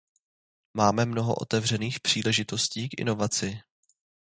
Máme mnoho otevřených příležitostí k inovaci.